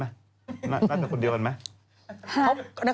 น่าจะคนเดียวกันไหม